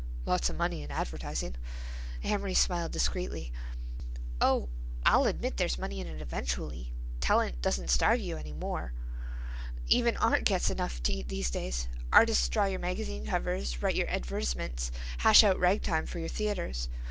"Lots of money in advertising." Amory smiled discreetly. "Oh, I'll admit there's money in it eventually. Talent doesn't starve any more. Even art gets enough to eat these days. Artists draw your magazine covers, write your advertisements, hash out rag time for your theatres.